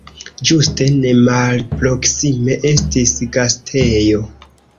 Ĝuste nemalproksime estis gastejo.